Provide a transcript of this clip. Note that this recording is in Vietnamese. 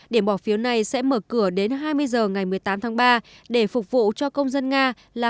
điểm bỏ phiếu này sẽ mở cửa đến hai mươi h ngày một mươi tám tháng ba để phục vụ cho công dân nga là